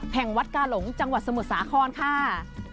กาหลงจังหวัดสมุทรสาครค่ะ